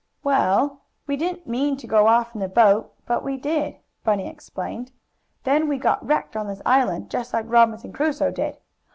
"Well, we didn't mean to go off in the boat, but we did," Bunny explained. "Then we got wrecked on this island, just like Robinson Crusoe did."